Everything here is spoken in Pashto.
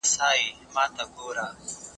قانوني بڼه پوښ ګرځي.